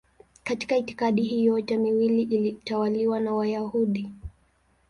Katika itikadi hii yote miwili ilitawaliwa na Wayahudi.